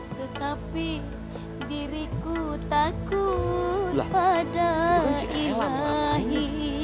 tetapi diriku takut pada ilahi